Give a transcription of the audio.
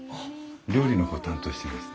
料理の方を担当していまして。